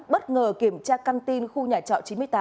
bất ngờ kiểm tra căn tin khu nhà trọ chín mươi tám